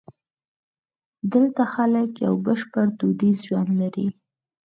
دلته خلک یو بشپړ دودیز ژوند لري.